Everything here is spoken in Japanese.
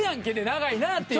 「長いな」っていう。